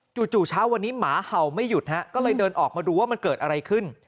จู่เช้าวันนี้หมาเห่าไม่หยุดฮะก็เลยเดินออกมาดูว่ามันเกิดอะไรขึ้น